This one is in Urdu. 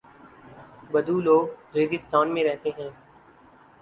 بدو لوگ ریگستان میں رہتے ہیں۔